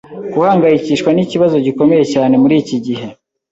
Guhangayikishwa nikibazo gikomeye cyane muri iki gihe.